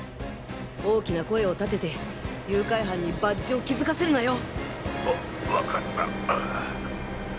大きな声を立てて誘拐犯にバッジを気づかせるなよ！わわかった。